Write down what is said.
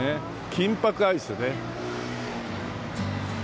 金箔アイスね。